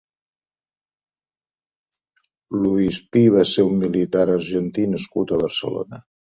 Luis Py va ser un militar argentí nascut a Barcelona.